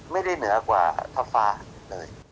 ไม่ได้เหนือกว่าทับฟ้าเลย